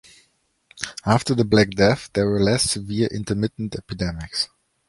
After the Black Death, there were less severe, intermittent, epidemics.